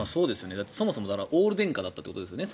そもそもオール電化だったってことですよね。